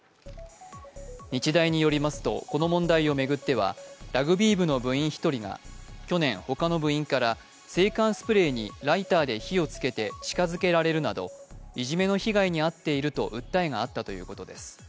日大によりますとこの問題を巡ってはラグビー部の部員１人が去年、他の部員から制汗スプレーにライターで火をつけて近づけられるなどいじめの被害に遭っていると訴えがあったということです。